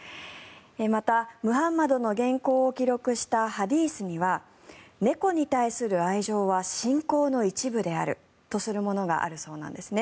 また、ムハンマドの言行を記録したハディースには猫に対する愛情は信仰の一部であるとするものがあるそうなんです。